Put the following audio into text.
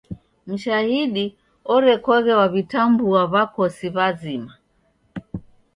Mshahidi orekoghe waw'itambua w'akosi w'azima.